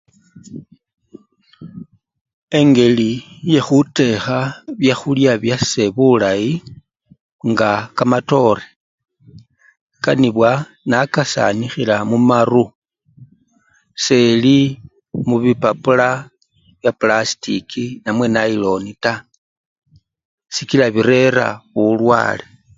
Engeli yekhutekha byakhulya byase bulayi, nga kamatore, enganibwa nakasanikhila mumaru seli mubipapula bya pulasitiki namwe nayiloni taa sikila birera bulwale.